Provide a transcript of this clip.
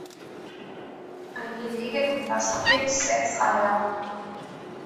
Ein Gelege umfasst vier bis sechs Eier.